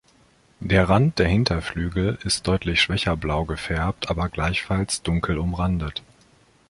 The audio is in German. Der Rand der Hinterflügel ist deutlich schwächer blau gefärbt, aber gleichfalls dunkel umrandet.